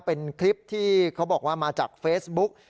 เป็นคลิปที่เขาบอกว่ามาจากเฟซบุ๊ก